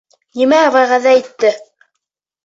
Нимә вәғәҙә итте?